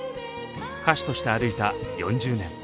歌手として歩いた４０年。